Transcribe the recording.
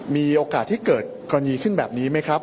มีโอกาสที่เกิดกรณีขึ้นแบบนี้ไหมครับ